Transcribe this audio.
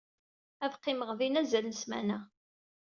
Ad qqimeɣ din azal n ssmana.